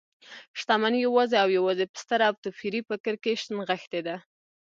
شتمنۍ يوازې او يوازې په ستر او توپيري فکر کې نغښتي ده .